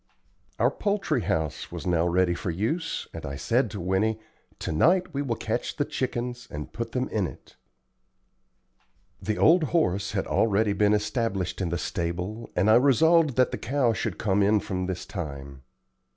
Our poultry house was now ready for use, and I said to Winnie, "To night we will catch the chickens and put them in it." The old horse had already been established in the stable, and I resolved that the cow should come in from this time.